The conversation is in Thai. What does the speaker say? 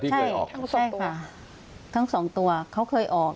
ที่เคยออกใช่ค่ะทั้งสองตัวเขาเคยออก